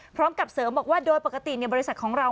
พร้อมกับเสริมบอกว่าโดยปกติบริษัทของเรา